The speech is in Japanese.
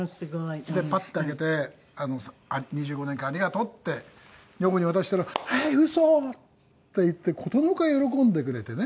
すごい。でパッと開けて「２５年間ありがとう」って女房に渡したら「ええー！嘘？」って言って殊の外喜んでくれてね。